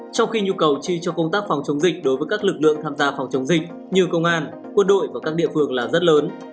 trong khi nhu cầu chi cho công tác phòng chống dịch đối với các lực lượng tham gia phòng chống dịch như công an quân đội và các địa phương là rất lớn